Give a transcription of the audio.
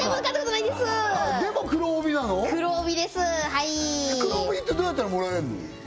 はい黒帯ってどうやったらもらえるの？